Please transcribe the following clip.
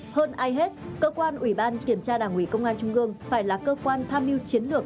hơn ai hết cơ quan ủy ban kiểm tra đảng ủy công an trung ương phải là cơ quan tham mưu chiến lược